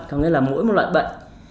có nghĩa là mỗi loại bệnh